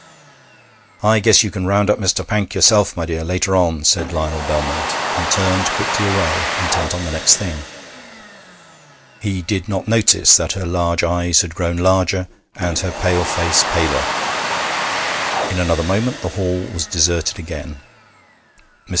'I guess you can round up Mr. Pank yourself, my dear, later on,' said Lionel Belmont, and turned quickly away, intent on the next thing. He did not notice that her large eyes had grown larger and her pale face paler. In another moment the hall was deserted again. Mr.